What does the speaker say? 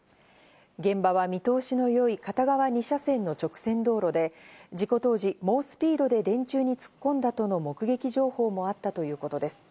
現場は見通しのよい片側２車線の直線道路で、事故当時、猛スピードで電柱に突っ込んだとの目撃情報もあったということです。